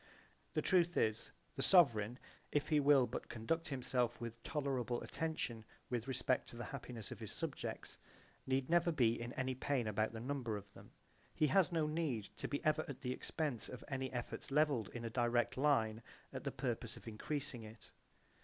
The truth is, the sovereign, if he will but conduct himself with tolerable attention with respect to the happiness of his subjects need never be in any pain about the number of them. He has no need to be ever at the expense of any efforts levelled in a direct line at the purpose of increasing it.